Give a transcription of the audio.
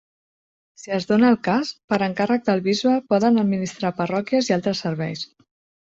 Si es dóna el cas, per encàrrec del bisbe poden administrar parròquies i altres serveis.